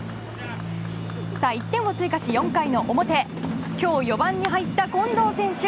１点を追加し、４回の表今日４番に入った近藤選手。